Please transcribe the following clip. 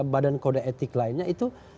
badan kode etik lainnya itu